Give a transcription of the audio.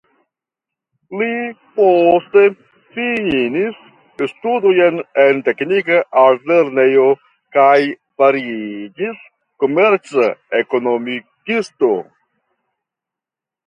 Li poste finis studojn en teknika altlernejo kaj fariĝis komerca ekonomikisto.